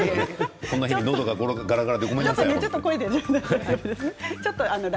こんな日にのどががらがらでごめんなさい。